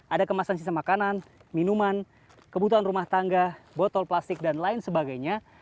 ada kemasan sisa makanan minuman kebutuhan rumah tangga botol plastik dan lain sebagainya